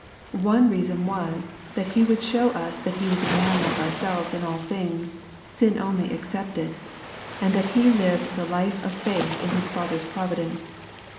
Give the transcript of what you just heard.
— One reason was, that He would show us that He was man like ourselves in all things, sin only ex cepted, and that He lived the life of faith in His Fath er's providence.